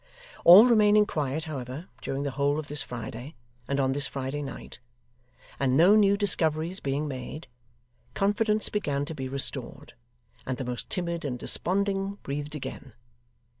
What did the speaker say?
All remaining quiet, however, during the whole of this Friday, and on this Friday night, and no new discoveries being made, confidence began to be restored, and the most timid and desponding breathed again.